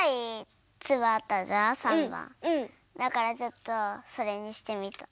だからちょっとそれにしてみた。